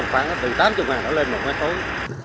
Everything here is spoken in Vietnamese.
khoảng từ tám mươi ngàn ở lên một mấy khối